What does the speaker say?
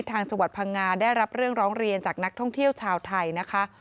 จังหวัดพังงาได้รับเรื่องร้องเรียนจากนักท่องเที่ยวชาวไทยนะคะ